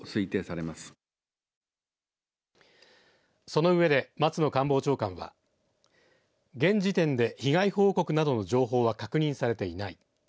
その上で松野官房長官は現時点で、被害報告などの情報は確認されていない。